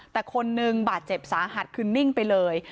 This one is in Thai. แต่คนนึงบาดเจ็บสาหัสคือนิ่งไปเลย